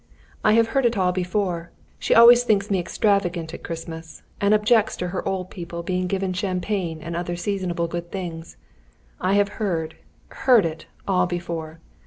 "I have heard it all before. She always thinks me extravagant at Christmas, and objects to her old people being given champagne and other seasonable good things. I have heard heard it all before.